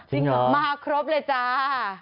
จริงเหรอมาครบเลยจ้า